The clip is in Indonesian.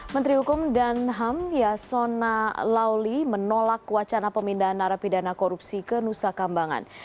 menteri hukum dan ham yasona lauli menolak wacana pemindahan narapidana korupsi ke nusa kambangan